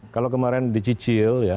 kalau kemarin dicicil ya